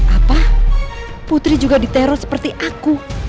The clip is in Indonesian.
apa putri juga diteror seperti aku